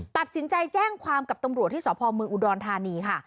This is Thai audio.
ตัดสินใจแจ้งความกับตำรวจที่สพมอุดรธานีค่ะ